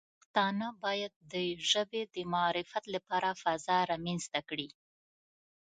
پښتانه باید د ژبې د معرفت لپاره فضا رامنځته کړي.